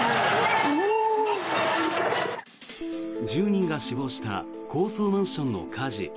１０人が死亡した高層マンションの火事。